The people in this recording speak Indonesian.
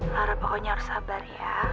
harap pokoknya harus sabar ya